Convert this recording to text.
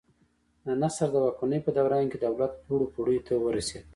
د نصر د واکمنۍ په دوران کې دولت لوړو پوړیو ته ورسېد.